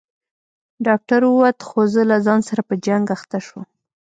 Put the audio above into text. ډاکتر ووت خو زه له ځان سره په جنگ اخته سوم.